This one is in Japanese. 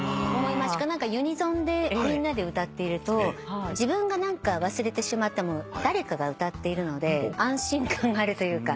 ユニゾンでみんなで歌っていると自分が忘れてしまっても誰かが歌っているので安心感があるというか。